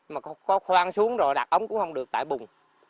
mà có khoang xuống rồi đặt ống cũng không được tại bùng